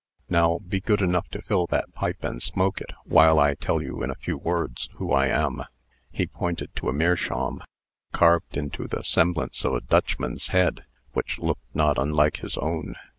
Now, be good enough to fill that pipe and smoke it, while I tell you in few words who I am." He pointed to a meerschaum, carved into the semblance of a Dutchman's head, which looked not unlike his own.